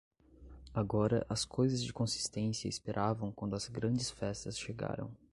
Agora, as coisas de consistência esperavam quando as grandes festas chegaram.